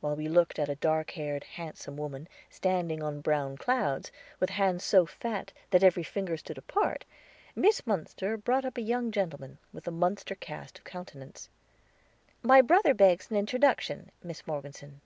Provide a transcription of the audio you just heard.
While we looked at a dark haired, handsome woman, standing on brown clouds, with hands so fat that every finger stood apart, Miss Munster brought up a young gentleman with the Munster cast of countenance. "My brother begs an introduction, Miss Morgeson."